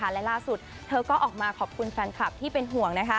และล่าสุดเธอก็ออกมาขอบคุณแฟนคลับที่เป็นห่วง